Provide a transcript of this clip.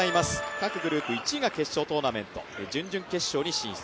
各グループ１位が決勝トーナメント、準々決勝に進出。